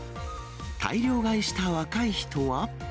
大量買いした若い人は。